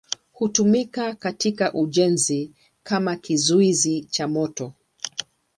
Hutumika katika ujenzi kama kizuizi cha moto.